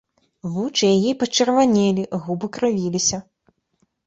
Вочы яе пачырванелі, губы крывіліся.